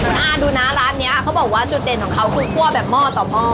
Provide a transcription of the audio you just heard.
คุณอาดูนะร้านนี้เขาบอกว่าจุดเด่นของเขาคือคั่วแบบหม้อต่อหม้อ